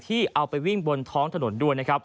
ที่เอาไปวิ่งบนท้องถนนด้วย